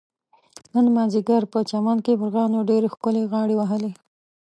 نن مازدیګر په چمن کې مرغانو ډېر ښکلې غاړې وهلې.